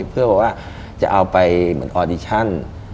เพื่อบอกว่าจะเอาไปเหมือนออดิชั่น